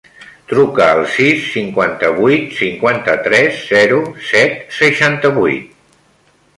Truca al sis, cinquanta-vuit, cinquanta-tres, zero, set, seixanta-vuit.